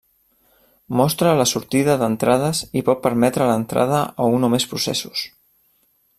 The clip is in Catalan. Mostra la sortida d'entrades i pot permetre l'entrada a un o més processos.